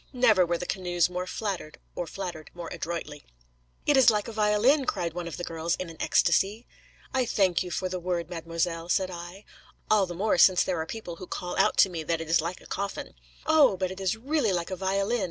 Never were the canoes more flattered, or flattered more adroitly. 'It is like a violin,' cried one of the girls in an ecstasy. 'I thank you for the word, mademoiselle,' said I. 'All the more since there are people who call out to me that it is like a coffin.' 'Oh! but it is really like a violin.